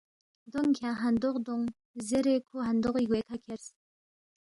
دونگ کھیانگ ہندوق دونگ زیرے کھو ہندوغی گوے کھہ کھیرس